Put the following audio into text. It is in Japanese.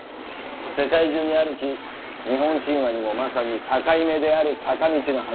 世界中にあるし日本神話にもまさに「境目」である「坂道」の話もあるしな。